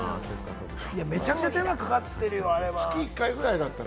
めちゃくちゃ手がかかってるよ。